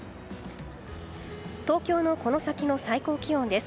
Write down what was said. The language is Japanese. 東京のこの先の最高気温です。